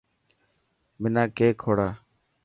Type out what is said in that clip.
منا ڪيڪ کوڙا.